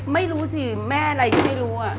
ไม่รู้สิแม่อะไรก็ไม่รู้